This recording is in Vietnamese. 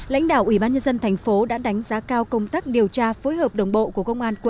lãnh đạo ủy ban nhân dân thành phố đã đánh giá cao công tác điều tra phối hợp đồng bộ của công an quận